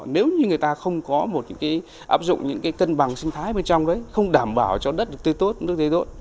nếu như người ta không có một cái áp dụng những cái cân bằng sinh thái bên trong đấy không đảm bảo cho đất được tư tốt nước thế tốt